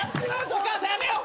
お母さんやめよう！